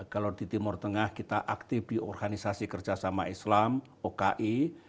kalau di timur tengah kita aktif di organisasi kerjasama islam oki